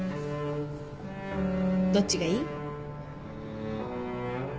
どっちがいい？